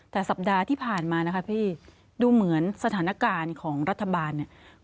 แต่สัปดาห์ที่ผ่านมานะคะพี่ดูเหมือนสถานการณ์ของรัฐบาลเนี่ย